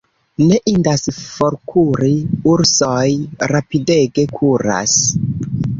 Ne indas forkuri: ursoj rapidege kuras.